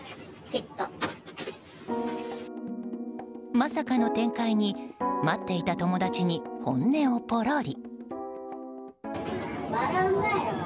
まさかの展開に待っていた友達に本音をポロリ。